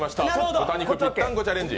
豚肉ぴったんこチャレンジ。